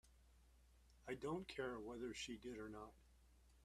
I don't care whether she did or not.